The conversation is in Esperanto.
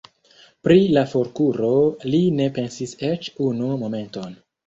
Pri la forkuro li ne pensis eĉ unu momenton.